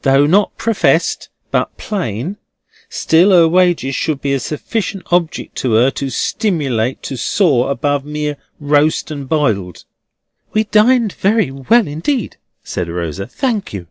Though not Professed but Plain, still her wages should be a sufficient object to her to stimilate to soar above mere roast and biled." "We dined very well indeed," said Rosa, "thank you."